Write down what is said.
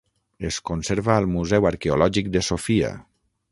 Es conserva al Museu Arqueològic de Sofia.